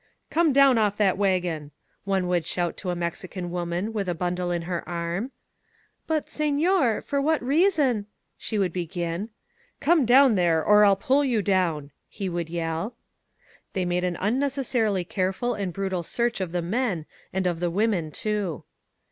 "Come down off that wagon !" one would shout to a Mexican woman with a bundle in her arm. *'But, sef[or, for what reason? ••." she would be gin. Come down there or I'll pull you down!" he would yeU. They made an imnecessarily careful and brutal search of the men and of the women, too.